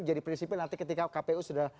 jadi prinsipi nanti ketika kpu sudah